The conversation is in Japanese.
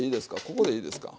ここでいいですか。